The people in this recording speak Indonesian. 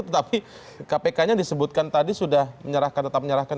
tetapi kpk nya disebutkan tadi sudah menyerahkan tetap menyerahkan